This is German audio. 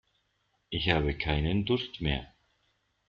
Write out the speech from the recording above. Ich habe keinen Durst mehr.